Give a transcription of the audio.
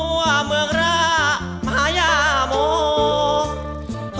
ลงรถทั่วเมืองระมหาญาโมง